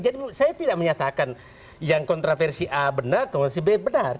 jadi saya tidak menyatakan yang kontraversi a benar kontraversi b benar